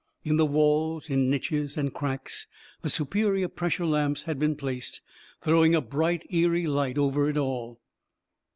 In the walls, in niches and cracks, the superior pressure lamps had been placed, throwing a bright, eery light over it all.